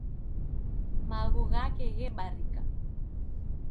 Maghu ghake ghebarika.